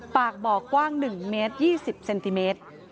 ปากบ่อกว้าง๑เมตร๒๐เซนติเมตร